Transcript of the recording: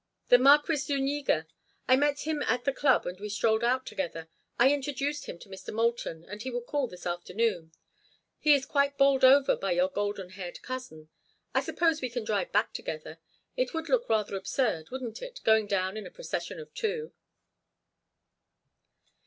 "The Marquis Zuñiga. I met him at the club and we strolled out together. I introduced him to Mr. Moulton and he will call this afternoon—is quite bowled over by your golden haired cousin. I suppose we can drive back together? It would look rather absurd, wouldn't it, going down in a procession of two?"